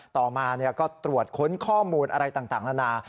ต่อมาก็ตรวจค้นข้อมูลอะไรต่างนานา